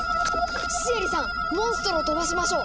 シエリさんモンストロを飛ばしましょう！